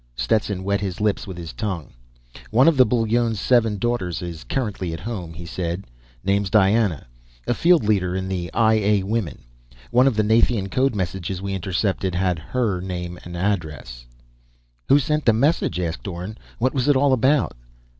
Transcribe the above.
Stetson wet his lips with his tongue. "One of the Bullones' seven daughters is currently at home," he said. "Name's Diana. A field leader in the I A women. One of the Nathian code messages we intercepted had her name as addressee." "Who sent the message?" asked Orne. "What was it all about?"